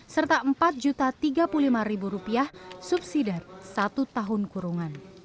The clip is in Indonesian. serta empat juta tiga puluh lima ribu rupiah subsidar satu tahun kurungan